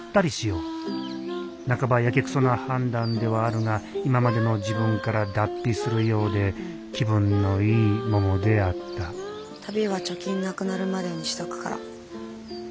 半ばやけくそな判断ではあるが今までの自分から脱皮するようで気分のいいももであった旅は貯金なくなるまでにしとくから。